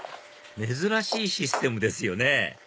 珍しいシステムですよね